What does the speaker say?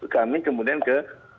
kami kemudian ke